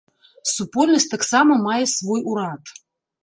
Супольнасць таксама мае свой урад.